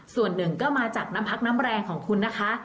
ส่วนหนึ่งก็มาจากน้ำพักน้ำแรงของคุณนะคะ